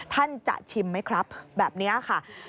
ท่านจะชิมไหมครับแบบนี้ค่ะ